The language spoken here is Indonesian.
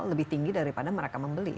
lebih tinggi daripada mereka membeli